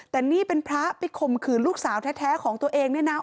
แต่นี่เป็นพระไปข่มขืนลูกสาวแท้ของตัวเองเนี่ยนะ